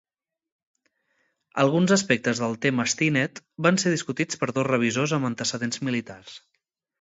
Alguns aspectes del tema Stinnett van ser discutits per dos revisors amb antecedents militars.